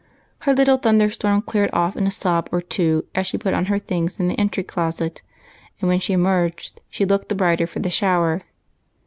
Her Httle thunder storm cleared off in a sob or two as she j)ut on her things in the entry closet, and when she emerged she looked the brighter for the shower.